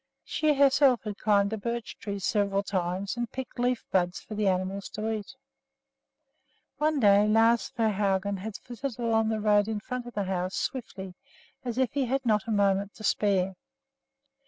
She herself had climbed a birch tree several times and picked leaf buds for the animals to eat. One day Lars Svehaugen had flitted along the road in front of the house, swiftly, as if he had not a moment to spare.